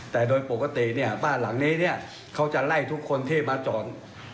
แต่โดยปกติเนี่ยบ้านหลังนี้เนี่ยเขาจะไล่ทุกคนที่มาจอด